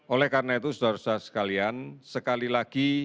oleh karena itu saudara saudara sekalian sekali lagi